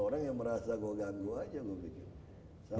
orang yang merasa gue ganggu aja gue pikir